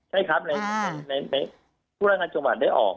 ใช่ครับในผู้ราชการจังหวัดได้ออก